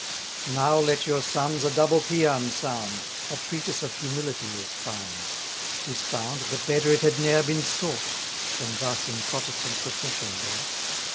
Now let your sons a double pæan sound, A Treatise of Humility is found. 'Tis found, but better it had ne'er been sought, 330 Than thus in Protestant procession brought.